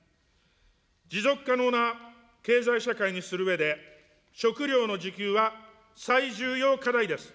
持続可能な経済社会にするうえで、食料の自給は最重要課題です。